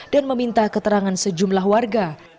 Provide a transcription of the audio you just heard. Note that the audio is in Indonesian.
dan meminta keterangan sejumlah warga